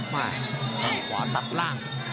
ข้างขวาตัดล่าง